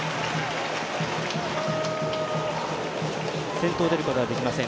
先頭出ることはできません。